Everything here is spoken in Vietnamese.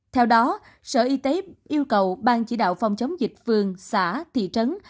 theo đó sở y tế yêu cầu ban chỉ đạo phòng chống dịch phường xã thị trấn